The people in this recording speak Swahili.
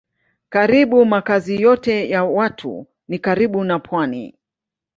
Karibu makazi yote ya watu ni karibu na pwani.